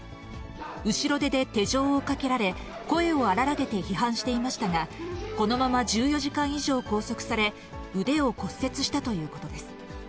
後ろ手で手錠をかけられ、声を荒らげて批判していましたが、このまま１４時間以上拘束され、腕を骨折したということです。